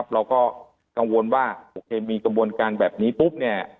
เราก็กังวลว่ามีกระบวนการเข้าก็ปุ๊บ